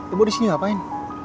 ibu disini ngapain